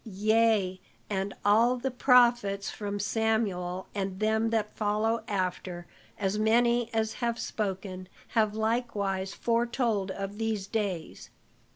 Yea, and all the prophets from Samuel and them that follow after, as many as have spoken, have likewise foretold of these days.